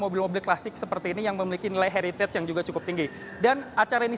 mobil mobil klasik seperti ini yang memiliki nilai heritage yang juga cukup tinggi dan acara ini